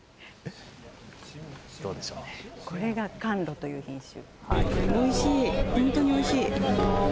これが甘露という品種。